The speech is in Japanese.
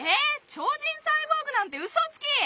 超人サイボーグなんてうそつき！